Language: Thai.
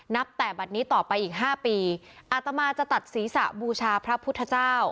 นับแต่บัตรนี้ต่อไปอีกห้าปีอาตมาจะตัดศีรษะบูชาพระพุทธเจ้า